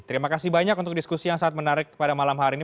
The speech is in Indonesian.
terima kasih banyak untuk diskusi yang sangat menarik pada malam hari ini